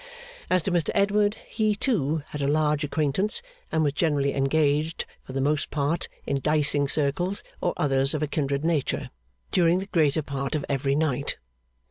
As to Mr Edward, he, too, had a large acquaintance, and was generally engaged (for the most part, in diceing circles, or others of a kindred nature), during the greater part of every night.